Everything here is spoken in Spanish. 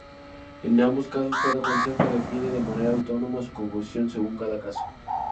En ambos casos cada consejo define de manera autónoma su composición según cada caso.